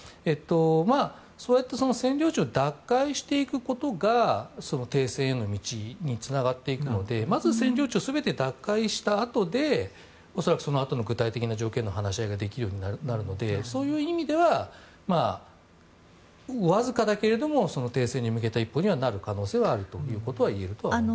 そうやって占領地を奪回していくことが停戦への道につながっていくのでまず、占領地を全て奪回したあとで恐らく、そのあとの具体的な条件の話し合いができるようになるのでそういう意味ではわずかだけど停戦に向けた一歩にはなる可能性があるということは言えると思います。